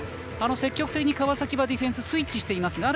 積極的に川崎ディフェンスはスイッチしています。